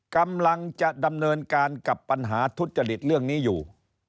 กำลังจะดำเนินการกับปัญหาทุจริตเรื่องนี้อยู่